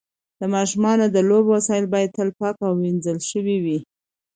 د ماشومانو د لوبو وسایل باید تل پاک او وینځل شوي وي.